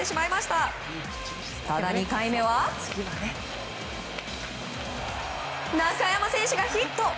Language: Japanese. ただ２回目は中山選手がヒット。